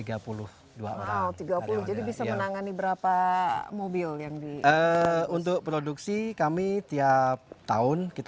apakah ini bisnis